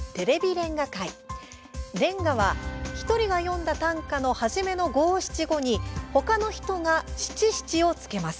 連歌は、１人が詠んだ短歌の初めの五七五に他の人が七七を付けます。